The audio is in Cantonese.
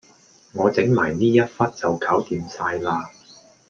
我整埋呢一忽就掂晒喇